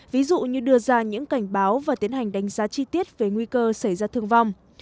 ví dụ như đưa ra những cảnh báo và tiến hành đánh giá chi tiết về nguy cơ xảy ra thương vong